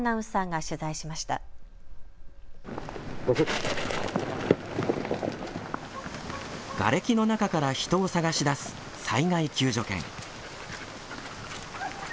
がれきの中から人を捜し出す災害救助犬。